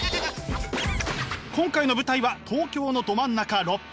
今回の舞台は東京のど真ん中六本木！